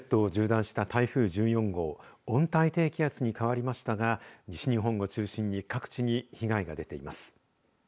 日本列島を縦断した台風１４号温帯低気圧に変わりましたが西日本を中心に各地に被害が出ています。